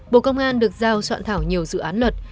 bộ công an được giao soạn thảo nhiều dự án luật